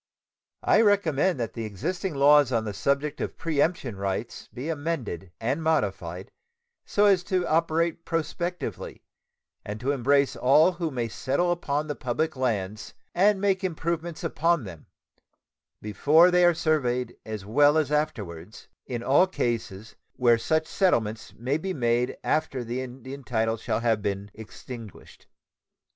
I recommend that the existing laws on the subject of preemption rights be amended and modified so as to operate prospectively and to embrace all who may settle upon the public lands and make improvements upon them, before they are surveyed as well as afterwards, in all cases where such settlements may be made after the Indian title shall have been extinguished.